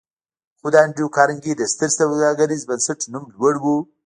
خو د انډريو کارنګي د ستر سوداګريز بنسټ نوم لوړ و.